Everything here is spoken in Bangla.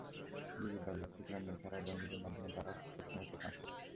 ডিবির দাবি, আর্থিক লেনদেন ছাড়া বন্ধুদের মধ্যে তাঁরা প্রশ্নপত্র ফাঁস করত।